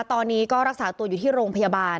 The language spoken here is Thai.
ตอนนี้ก็รักษาตัวอยู่ที่โรงพยาบาล